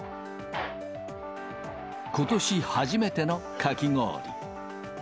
ことし初めてのかき氷。